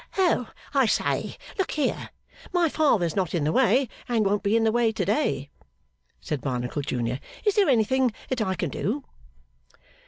'Oh, I say. Look here! My father's not in the way, and won't be in the way to day,' said Barnacle Junior. 'Is this anything that I can do?